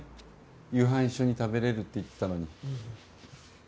夕飯一緒に食べれるって言ってたのに。